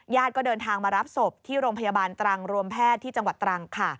ก็เดินทางมารับศพที่โรงพยาบาลตรังรวมแพทย์ที่จังหวัดตรังค่ะ